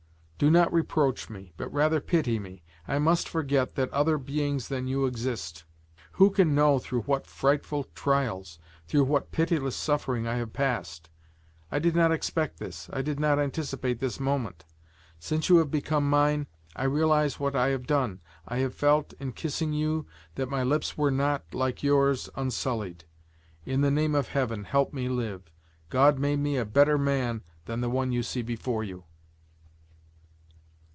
Do not reproach me but rather pity me; I must forget that other beings than you exist. Who can know through what frightful trials, through what pitiless suffering I have passed! I did not expect this, I did not anticipate this moment. Since you have become mine, I realize what I have done; I have felt, in kissing you, that my lips were not, like yours, unsullied. In the name of Heaven, help me live! God made me a better man than the one you see before you."